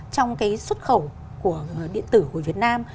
trong cái xuất khẩu của điện tử của việt nam